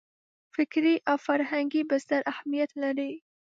فکري او فرهنګي بستر اهمیت لري.